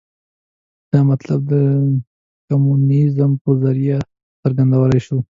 دا مطلب د کمونیزم په ذریعه څرګندولای شو.